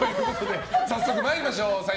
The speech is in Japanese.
早速参りましょう。